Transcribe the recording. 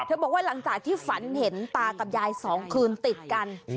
บอกว่าหลังจากที่ฝันเห็นตากับยาย๒คืนติดกัน